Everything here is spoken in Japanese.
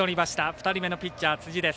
２人目のピッチャー、辻です。